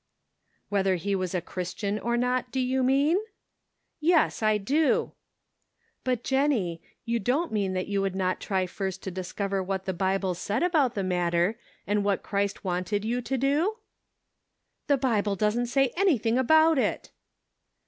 " Whether he was a Christian or not, do you mean?" "Yes, I do." " But, Jennie, you don't mean that you 162 The Pocket Measure, would not try first to discover what the Bible said about the matter, and what Christ wanted you to do ?"" The Bible doesn't say anything about it."